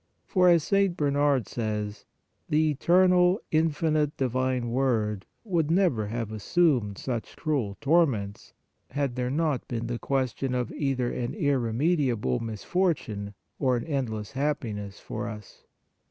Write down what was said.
For, as St. Bernard says, the eternal, in finite Divine Word would never have assumed such cruel torments, had there not been question of either an irremediable misfortune or an endless hap piness for us.